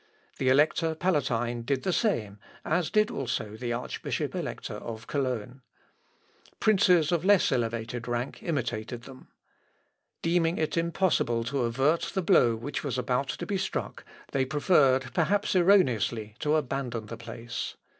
The Elector Palatine did the same, as did also the Archbishop Elector of Cologne. Princes of less elevated rank imitated them. Deeming it impossible to avert the blow which was about to be struck, they preferred, perhaps erroneously, to abandon the place.